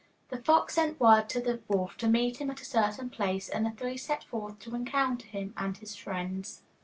The fox sent word to the wolf to meet him at a certain place, and the three set forth to encounter him and his friends.